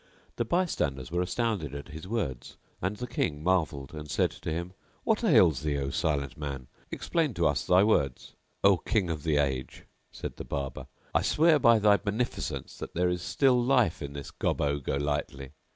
The bystanders were astounded at his words and the King marvelled and said to him, "What ails thee, O Silent Man? Explain to us thy words !" "O King of the age," said the Barber, "I swear by thy beneficence that there is still life in this Gobbo Golightly!"